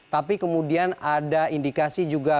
tapi kemudian ada indikasi juga